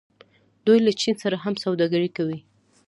دوی له چین سره هم سوداګري کوي.